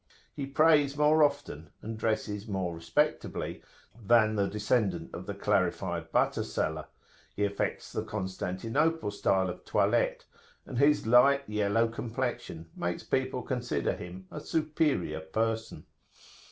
He prays more often, and dresses more respectably, than the descendant of the Clarified Butter Seller; he affects the Constantinople style of toilette, and his light yellow complexion makes people consider him a "superior person."